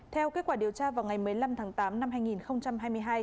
theo kết quả điều tra vào ngày một mươi năm tháng tám năm hai nghìn hai mươi hai